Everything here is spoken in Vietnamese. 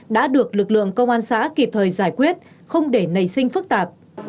đã được lực lượng công an xã kịp thời giải quyết không để nảy sinh phức tạp